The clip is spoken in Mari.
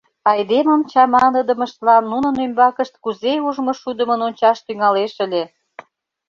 Айдемым чаманыдымыштлан нунын ӱмбакышт кузе ужмышудымын ончаш тӱҥалеш ыле!